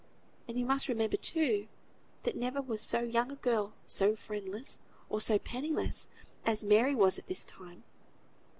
And you must remember, too, that never was so young a girl so friendless, or so penniless, as Mary was at this time.